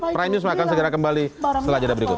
prime news makan segera kembali setelah jeda berikut